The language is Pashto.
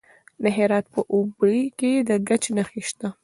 د هرات په اوبې کې د ګچ نښې شته.